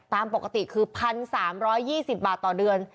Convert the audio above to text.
ตามปกติคือ๑๓๒๐บาทต่อเดือน